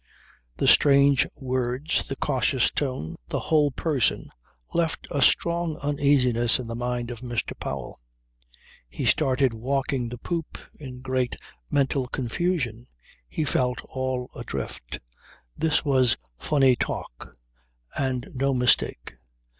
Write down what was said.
The strange words, the cautious tone, the whole person left a strong uneasiness in the mind of Mr. Powell. He started walking the poop in great mental confusion. He felt all adrift. This was funny talk and no mistake.